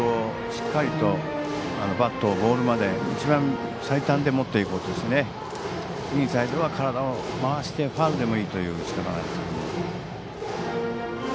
しっかりとバットをボールまで一番最短で持っていこうとしてインサイドは体を回してファウルでもいいという打ち方。